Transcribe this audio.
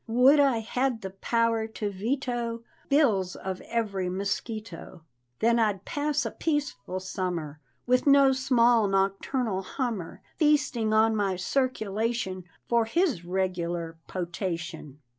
Would I had the power to veto Bills of every mosquito; Then I'd pass a peaceful summer, With no small nocturnal hummer Feasting on my circulation, For his regular potation.